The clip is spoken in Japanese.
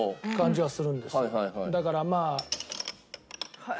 だからまあ。